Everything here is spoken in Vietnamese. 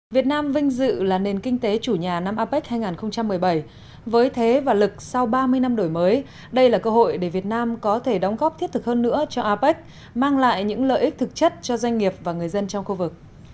việt nam vinh dự là nền kinh tế chủ nhà năm apec hai nghìn một mươi bảy với thế và lực sau ba mươi năm đổi mới đây là cơ hội để việt nam có thể đóng góp thiết thực hơn nữa cho apec mang lại những lợi ích thực chất cho doanh nghiệp và người dân trong khu vực